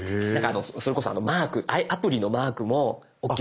それこそマークアプリのマークもおっきくする。